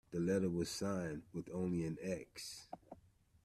The letter was signed with only an X.